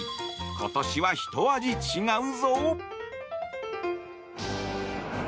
今年はひと味違うぞ。